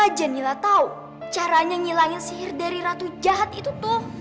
aja nila tau caranya ngilangin sihir dari ratu jahat itu tuh